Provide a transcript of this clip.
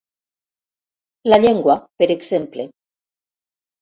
La llengua, per exemple.